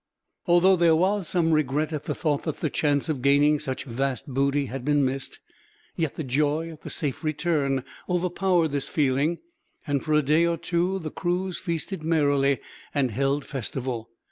Although there was some regret at the thought that the chance of gaining such vast booty had been missed, yet the joy at the safe return overpowered this feeling; and, for a day or two, the crews feasted merrily and held festival.